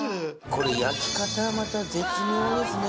これ焼き方また絶妙ですね